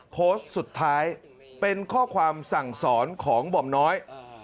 โพสต์สุดท้ายเป็นข้อความสั่งสอนของหม่อมน้อย